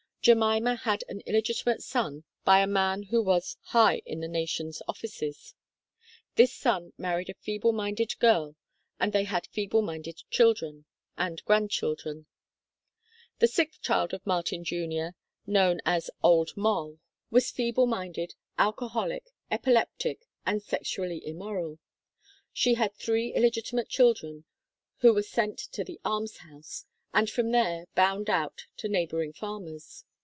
Jemima had an illegitimate son by a man who was high in the Nation's offices . This son married a feeble minded girl and they had feeble minded children, and grandchildren. The sixth child of Martin Jr., known as "Old Moll" 22 THE KALLIKAK FAMILY (Chart VI), was feeble minded, alcoholic, epileptic, and sexually immoral. She had three illegitimate children who were sent to the almshouse, and from there bound out to neighboring farmers.